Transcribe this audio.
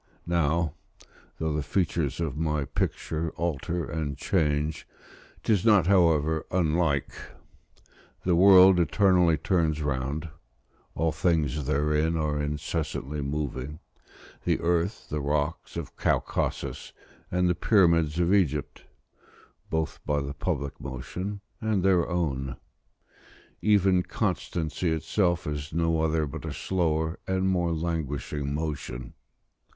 Now, though the features of my picture alter and change, 'tis not, however, unlike: the world eternally turns round; all things therein are incessantly moving, the earth, the rocks of Caucasus, and the pyramids of Egypt, both by the public motion and their own. Even constancy itself is no other but a slower and more languishing motion.